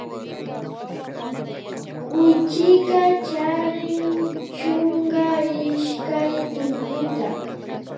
Kuychika chrin chunka ishkay tullputa